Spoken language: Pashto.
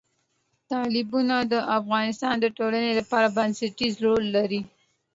تالابونه د افغانستان د ټولنې لپاره بنسټیز رول لري.